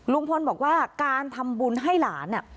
ลุงพลบอกว่าการทำบุญให้หลานเนี่ย